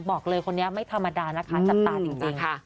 บอกเลยคนนี้ไม่ธรรมดานะคะจับตาจริงค่ะ